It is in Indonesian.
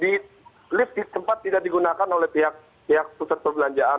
dua hari sebelum kejadian lift sempat tidak digunakan oleh pihak pusat perbelanjaan